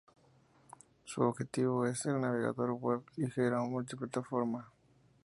Su objetivo es ser un navegador web ligero multiplataforma.